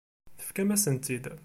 Tefkam-asent-t-id.